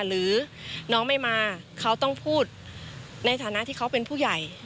หรือน้องไม่มาเขาต้องพูดในฐานะที่เขาเป็นผู้ใหญ่